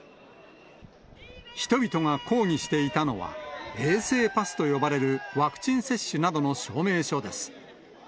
人々が抗議していたのは、衛生パスと呼ばれるワクチン接種などの証明書です。